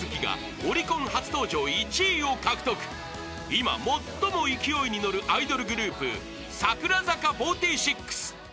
［今最も勢いに乗るアイドルグループ櫻坂４６］